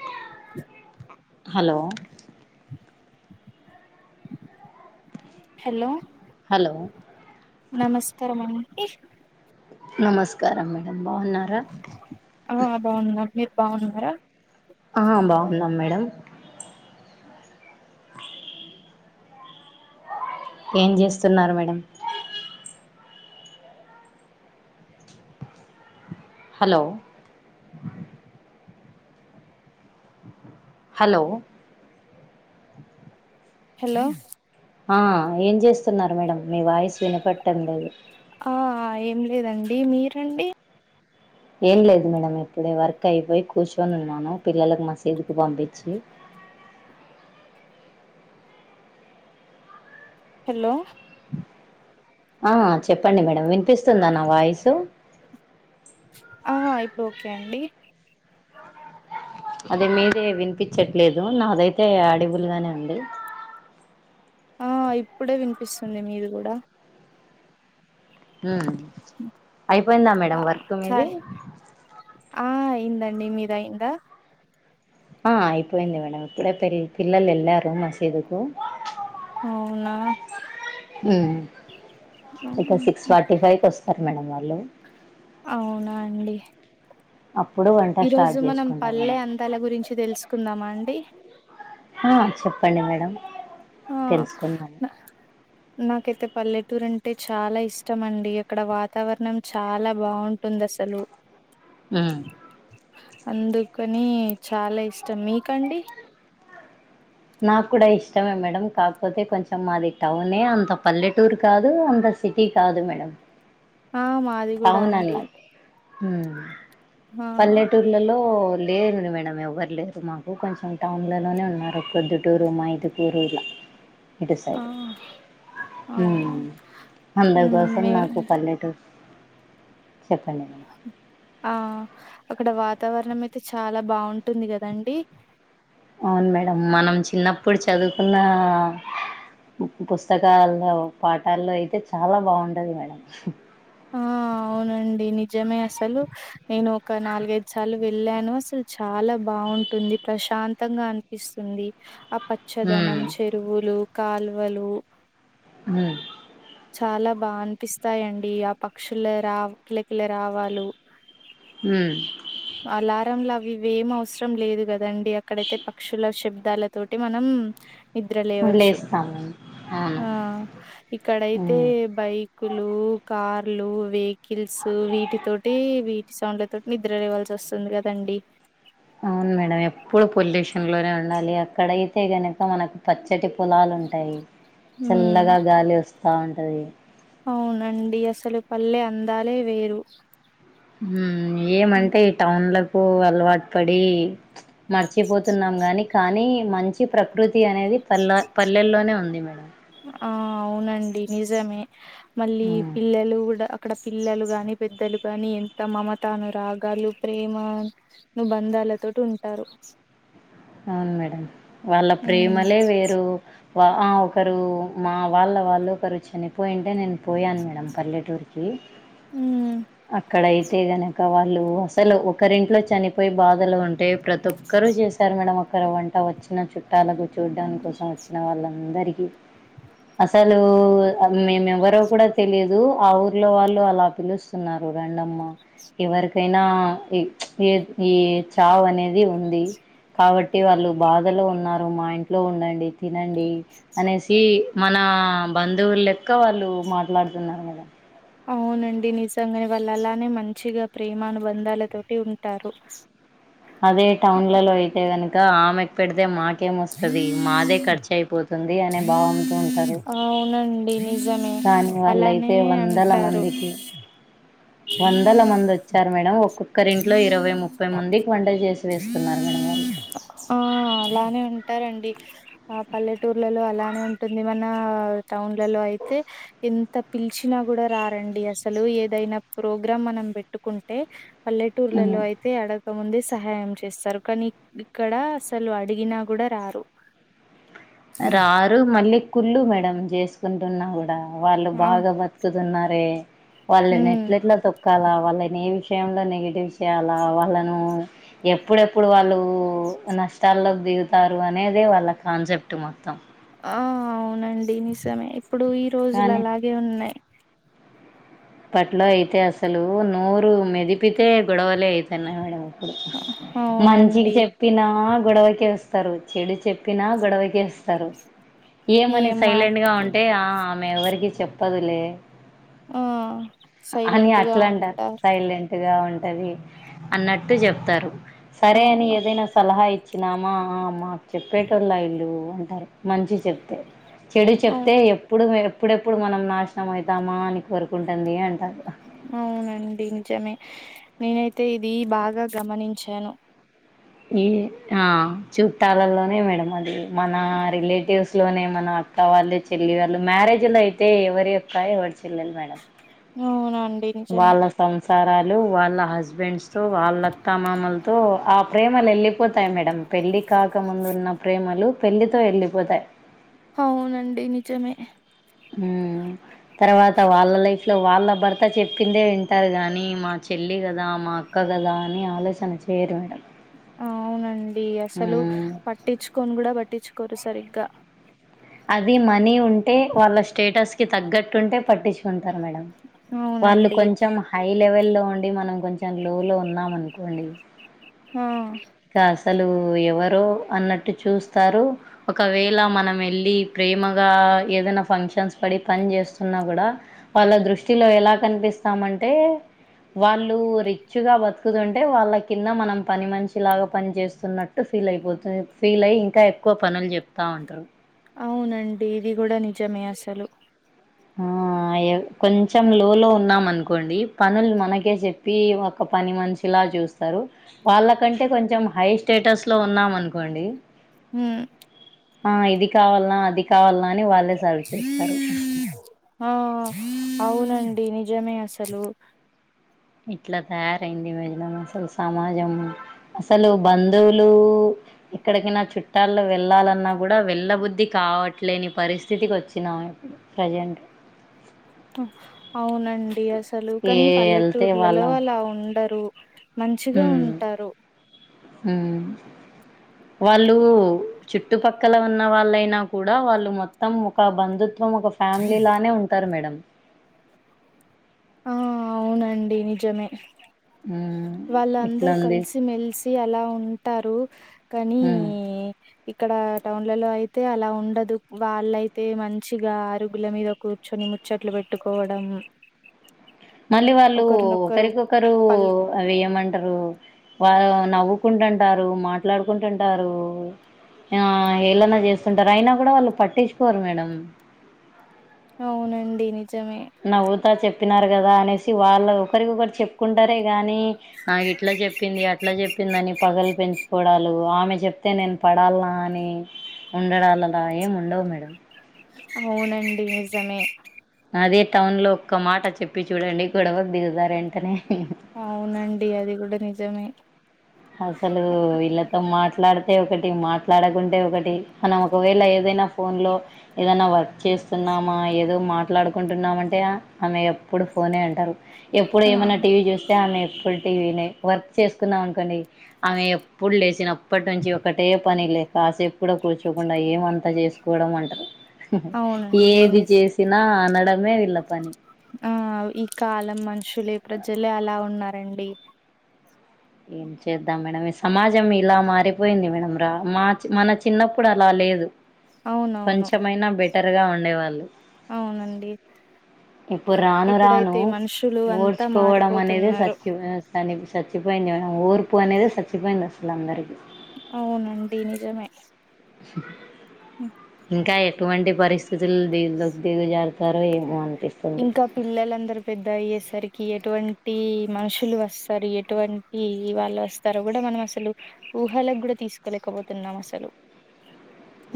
[inaudible] hello hello hello నమస్కారం అండి నమస్కారం మేడమ్ బాగున్నారా ఆ బాగున్నాను మీరు బాగున్నారా ఆ బాగున్నాం మేడం ఏం చేస్తున్నారు మేడంమ్ హలో హలో హలో ఆ ఏం చేస్తున్నారు మేడం మీ వాయిస్ వినపట్టడం లేదు ఆ ఏం లేదండి మీరండి ఏం లేదు మేడం ఇప్పుడే వర్క్ అయిపోయి కూర్చొని ఉన్నాను పిల్లలకు మసీదుకి పంపించి హలో ఆ చెప్పండి మేడం వినిపిస్తుందా నా వాయిసు ఆహా అయిపోకె ఓకే అండి అది మీదే వినిపించట్లేదు నాదైతే అడవులుగానే ఉంది ఆ ఇప్పుడే వినిపిస్తుంది మీది కూడా అయిపోయిందా ఆ మేడం వర్క్ మీది చాయ్ ఆ అయిందండి మీర అయ్యిందా ఆ అయిపోయింది మేడంమ్ ఇప్పుడే పె పిల్లలు వెళ్ళారు మసీదుకు అవునా హు ఇక సిక్స్ ఫార్టీ ఫైవ్కి వస్తారు మేడంమ్ వాళ్ళు అవునా అండి అప్పుడు వంట ఈ స్టార్ట్ రోజు మనం చేసుకుంటాం పల్లె మేడం అందాల గురించి తెలుసుకుందామా అండి ఆ చెప్పండి మేడం ఆ తెలుసుకున్నాను నాకైతే పల్లెటూరు అంటే చాలా ఇష్టం అండి అక్కడ వాతావరణం చాలా బాగుంటుంది అసలు హ అందుకని చాలా ఇష్టం మీకండి నాకు కూడా ఇష్టమే మేడం కాకపోతే కొంచెం మాది టౌన్ అంత పల్లెటూర్ కాదు అంత సిటీ కాదు మేడం ఆ మా అది అవునండి హ ఆ పల్లెటూర్లలో లేరు మ మందం ఎవరు లేరు మాకు కొంచెం టౌన్లలోనే ఉన్నారు మాకు పొద్దుటూరు మైదుపూరు ఇలా ఆ ఇటుసైడ్ హు అవును అందరి ఉమ్, కోసం మే నాకు పల్లెటూరు చెప్పండి ఆ అక్కడ వాతావరణం అయితే చాలా బాగుంటుంది కదండి అవును మేడం మనం చిన్నప్పుడు చదువుకున్న పుస్తకాల్లో పాఠల్లో అయితే చాలా బాగుంటుంది మేడం ఆ అవునండి నిజమే అసలు నేను ఒక నాలుగైదు సార్లు వెళ్ళాను అసలు చాలా బాగుంటుంది ప్రశాంతంగా అ ఇస్తుంది ఆ పచ్చదనం ఉమ్ చెరువులు కాల్వలు హు చాలా బాగా అనిపిస్తాయండి ఆ పక్షుల రా కలకిల రావాలు ఉ అలారం లా అవి ఇవి ఏం అవసరం లేదు కదండి అక్కడైతే పక్షుల శబ్దాల తోటి మనం నిద్ర ఉమ్ లేవచ్చు లేస్తాం అవును ఆ ఇక్కడైతే ఉమ్ బైక్ కులు కార్లు వెహికల్స్ వీటి తోటి వీటి సౌండ్ల తోటి నిద్ర లేవాల్సి వస్తుంది కదండి అవును మేడం ఎప్పుడు పొల్యూషన్ లోనే ఉండాలి అక్కడైతే గనుక మనకు పచ్చటి పొలాలు ఉంటాయి ఉమ్ చల్లగా గాలి వస్తా ఉంటది అవునండి అసలు పల్లె అందాలే వేరు ఏమంటే ఈ టౌన్లకు అలవాటు పడి మర్చిపోతున్నాం గాని కానీ మంచి ప్రకృతి అనేది పల్ల పల్లెల్లోనే ఉంది మేడం ఆ అవునండి నిజమే మళ్ళీ హ్మ్ పిల్లలు కూడా అక్కడ పిల్లలు గాని పెద్దలు గాని ఎంత మమతానురాగాలు ప్రేమ అను బంధాలతోటి ఉంటారు అవును మేడం వాళ్ళ ఉమ్ ప్రేమలే వేరు వా ఒకరు మా వాళ్ళ వాళ్ళు ఒకరు చనిపోయింటే నేను పోయాను మేడం పల్లెటూరుకి ఉమ్ అ అక్కడ అయితే గనుక వాళ్ళు అసలు ఒకరింట్లో చనిపోయి బాధలో ఉంటే ప్రతి ఒక్కరు చేస్త అల మొక్కరు వంట వచ్చిన చుట్టాలకు చూడ్డాని కోసం వచ్చిన వాళ్ళందరికీ అసలు మేము ఎవరో కూడా తెలియదు ఆ ఊర్లో వాళ్ళు అలా పిలుస్ స్తున్నారు రండమ్మ ఎవరికైనా ఈ ఈ ఈ చావనేది ఉంది కాబట్టి వాళ్ళు బాధలో ఉన్నారు మా ఇంట్లో ఉండండి తినండి అనేసి మన బంధువులు లెక్క వాళ్ళు మాట్లాడుతున్నారు కదా అవునండి నిజంగానే వాళ్ళు అలానే మంచిగా ప్రేమా అనుబంధాల తోటి ఉంటారు [unintelligible] అదే టౌన్లలో అయితే గనుక ఆమెకు పెడితే మాకేం వస్తది మాదే ఖర్చు అయిపో తుంది అనే భావంతో ఉంటా ఆ అవునండి నిజమే కానీ అలానే వాళ్ళయితే వందల అంటారు మందికి వందల మంది వచ్చారు మేడం ఒక ఒక్కరి ఇంట్లో ఇరవై ముప్పై మందికి వంట చేసి వేస్తున్నారు మేడం వాళ్ళు ఆ అలానే ఉంటారండి ఆ పల్లెటూర్లలో అలానే ఉంటుంది మన టౌన్లలో అయితే ఎంత పిలిచినా కూడా రారండి అసలు ఏదైనా ప్రోగ్రాం మనం పెట్టుకుంటే పల్లెటూర్లలో తే అడకముందే సహాయం చేస్తారు కానీ ఇక్కడ అసలు అడిగినా కూడా రారు [unintelligible] రారు మళ్ళీ కుళ్ళు మేడం చేసుకుంటున్నా కూడా వాళ్ళు ఆ బాగా బతు కుతున్నారే వాళ్ళని ఉమ్ ఎట్ల ఎట్లా తొక్కాలా వాళ్ళని ఏం విషయంలో నెగిటివ్ చెయ్యాలా వాళ్ళను ఎప్పుడెప్పుడు వాళ్ళు నష్టాల్లో దిగుతారు అనేదే వాళ్ళ కాన్సెప్ట్ మొత్తం ఆ అవునండి నిజమే ఇప్పుడు ఈ రోజులు కానీ అలాగే ఉన్నాయ్ పట్లో అయితే అసలు నోరు మెదిపితే గొడవలే అవుతున్నాయి మేడం ఇప్పుడు మంచికి అవునండి చెప్ చెప్పినా గొడవకే వస్తారు చెడు చెప్పినా గొడవకే వస్తారు ఏమని ఏం సైలెంట్ గా మాట్లా ఉంటే ఆమె ఎవరికి చెప్పదులే ఆ అని సైలెంట్ గా అట్లా అంటారు ఉంటారు సైలెంట్ ఉంటది అన్నట్టు చెప్తారు సరే అని అవును ఏదైనా సలహా ఇచ్చినామా మాకు చెప్పేటోళ్ళు అయిండ్రు అంటారు మంచి చెప్తే చెడు అవు చెప్తే ఎప్పుడు ఎప్పుడెప్పుడు మనం నాశనం అవుతామా అని కోరుకుంటుంది అంటారు అవునండి నిజమే నేనైతే ఇది బాగా గమనించాను ఈ ఆ చుట్టాలలోనే మేడం అది మన రిలేటివ్స్ లోనే మన వాళ్ళు చెల్లి వాళ్ళు మ్యారేజ్ లో అయితే ఎవరి యక్కా ఎవరి చెల్లెలు మేడం అవునండి నిజమే వాళ్ళ సంసారాలు వాళ్ళ హస్బెండ్స్ తో వాళ్ళత్త మామలుతో తో ఆ ప్రేమలు వెళ్ళిపోతాయి మేడం పెళ్ళి కాకముందు ఉన్న ప్రేమలు పెళ్లితో వెళ్ళలిపోతాయి అవునండి నిజమే ఉ తర్వాత వాళ్ళ లైఫ్ ఇట్లా వాళ్ళ భర్త చెప్పిందే వింటారు కాగాని మా చెల్లి కదా మా అక్క కదా అని ఆలోచనారు చేయరు మేడం అవునండి అసలు ఉమ్ పట్టిచ్చుకోని కూడా పట్టిచ్చుకోరు సరిగ్గా అది మనీ ఉంటే వాళ్ళ స్టేటస్ కి తగ్గట్టు ఉంటే పట్టించుకుంటారు మేడం వాళ్ళు అవునండి కొంచెం హై లెవెల్ లో ఉండి మనం కొంచెం లో లో ఉన్నాం అనుకోండి ఆ కా అసలు ఎవరో అన్నట్టు చూస్తారు ఒకవేళ మనం వెళ్ళి ప్రేమగా ఏదన్న ఫంక్షన్స్ పడి పని చేస్తున్నా కూడా వాళ్ళ దృష్టిలో ఎలా కనిపిస్తామంటే వాళ్ళు రిచ్ గా బతుకుతుంటే వాళ్ళ కింద మనం పని మనిషి లాగా పని చేస్తున్నట్టు ఫీల్ అయిపోతరు ఫీల్ అయి ఇంకా ఎక్కువ పనులు చెప్తా ఉంటారు అవునండి ఇది కూడా నిజమే అస్సలు అయ్యో కొంచెం లో లో ఉన్నాం అనుకోండి పనులు మనకే చెప్పి ఒక పని మనిషిలా చూస్ స్తరు వాళ్ళకంటే కొంచెం హై స్టేటస్ లో ఉన్నాం అనుకోండి హు ఆ ఇది కావల్నా అది కావల్నా అని వాళ్ళే సర్వ్ చేస్తారు ఆ అవునండి నిజమే అసలు ఇట్లా తయారైంది మేడం అసలు సమాజం అసలు బంధువులు ఎక్కడికైనా చుట్టాల్లో వెళ్ళాలన్నా కూడా వెళ్ళ బుద్ధి కావట్లేని పరిస్థితికి వచ్చినాము ఇప్ ప్రజెంట్ హా అవునండి అసలు ఏ కానీ వెళ్తే వాళ్ళ పల్లెటూర్లలో అలా ఉండరు మంచిగా ఉంటారు హు వాళ్ళు చుట్టుపక్కల ఉన్న వాళ్ళైనా కూడా వాళ్ళు మొత్తం ఒక బంధుత్వం ఒక ఫ్యామిలీ లానే ఉంటారు మేడం ఆ అవునండి నిజమే హు వాళ్ళందరు కలిసి మెలిసి అలా ఉంటారు కానీ ఉమ్ ఇక్కడ టౌన్లలో అయితే అలా ఉండదు వాళ్ళయితే మంచిగా ఆరుగుల మీద కూర్చొని ముచ్చట్లు పెట్టుకోవడం మళ్ళీ వాళ్ళు ఒకరినొకరు ఒకరికొకరు పల్ అవి ఏమంటారు వా నవ్వుకుంటుంటారు మాట్లాడుకుంటుంటారు ఆ హేళన చేస్తుంటారు అయినా కూడా వాళ్ళు పట్టించుకోరు మేడం అవునండి నిజమే నవ్వుతా చెప్పినారు కదా అనేసి వాళ్ళ ఒకరికొకరు చెప్ ప్పుకుంటారే గాని ఆ ఇట్లా చెప్పింది అట్లా చెప్ ప్పిందని పగలు పెంచుకోవడాలు ఆమె చెప్తే నేను పడల్నా అని ఉండడాలలా ఏం ఉండవు మేడం అవునండి నిజమే అదే టౌన్ లో ఒక్క మాట చెప్పి చూడండి గొడవ దిగుతారు వెంటనే అవునండి అది కూడా నిజమే అసలు వీళ్ళతో మాట్లాడితే ఒకటి మాట్లాడకుంటే ఒకటి మనం ఒకవేళ ఏదైనా ఫోన్లో ఏదన్న వర్క్ చేస్తున్నామా ఏదో మాట్లాడుకుంటున్నామంటే ఆమె ఎప్పుడు ఫోనే అంటారు ఎప్పుడు ఆ ఏమన్నా టీవీ చూస్తే ఆమె ఎప్పుడు టీవీనే వర్క్ చేసుకున్నాం అనుకోండి ఆమె ఎప్పుడు లేచినప్పటి నుంచి ఒకటే పని లేక కాసేపు కూడా కూర్చోకుండా ఏమంతా చేసుకో చూడ అంటారు అవునండి ఏది నిజ్ చేసినా అనడమే వీళ్ళ పని ఆ ఈ కాలం మనుషులే ప్రజలే అలా ఉన్నారండి ఏం చేద్దాం మేడం ఈ సమాజం ఇలా మారిపోయింది మేడం రా మా మన చిన్నప్పుడు అలా లేదు అవునవును కొంచెమైనా బెటర్ గా ఉండేవాళ్ళు అవునండి ఇప్పుడు రాను రాను ఇప్పుడైతే మనుషులు అంతా ఓడ్చుకోవడం అనేది మారిపోతున్నారు సచి ఆ తని సచ్చి పయింది ఊర్పు అనేద సచ్చి పయింది అసలు అందరికీ అవునండి నిజమే స ఇంకా ఎటువంటి పరిస్థితులు దిగు దిగు జారుతారో ఏమో అనిపిస్తు ఇంకా పిల్లలందరు పెద్ద అయ్యేసరికి ఎటువంటి మనుషులు వస్తారు ఎటువంటి ఈ ఇ వాళ్ళు వస్తారు కూడా మనం అసలు ఊహకు కూడా తీసుకోలేకపోతున్నాం అసలు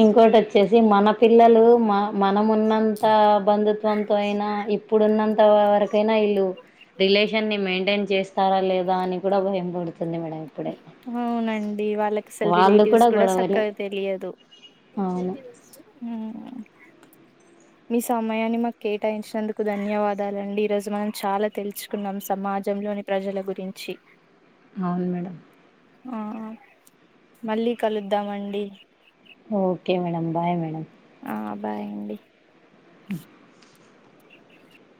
ఇంకోటి వచ్చేసి మన పిల్లలు మా మనం ఉన్నంత బంధుత్వంతో అయినా ఇప్పుడున్నంత వరకైనా వీల్ళు రిలేషన్ ని మెయింటైన్ చేస్తారా లేదా అని కూడా భయంపడుతుంది మేడం ఇప్పుడే అవునండి వాళ్ళకి అసలు వాళ్ళు రిలేటివ్స్ కూడా గొడవలే చక్కగా తెలియదు అవును ఊ మీ సమయాన్ని మాకు కేటాయించినందుకు ధన్యవాదాల అండి ఈరోజు మనం చాలా తెలుచుకున్నాం సమాజంలోని ప్రజల గురించి అవును మేడం ఆ మళ్ళీ కలుద్దామండి ఓకే మేడం బాయ్ మేడం ఆ బాయండి ఉ